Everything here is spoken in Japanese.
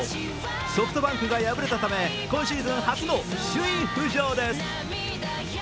ソフトバンクが敗れたため今シーズン初の首位浮上です。